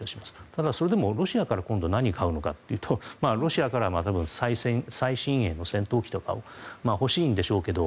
ただ、それでもロシアから今度何を買うのかというとロシアからは最新鋭の戦闘機とかを欲しいんでしょうけど